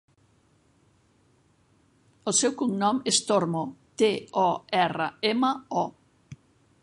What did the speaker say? El seu cognom és Tormo: te, o, erra, ema, o.